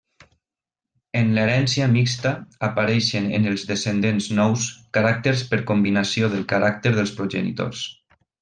En l'herència mixta apareixen en els descendents nous caràcters per combinació dels caràcters dels progenitors.